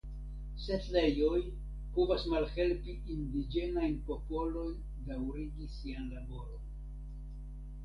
Setlejoj povas malhelpi indiĝenajn popolojn daŭrigi sian laboron.